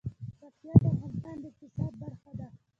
پکتیا د افغانستان د اقتصاد برخه ده.